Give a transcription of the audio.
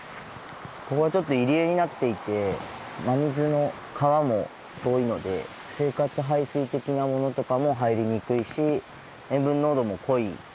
ここがちょっと入り江になっていて真水の川も遠いので生活排水的なものとかも入りにくいし塩分濃度も濃い。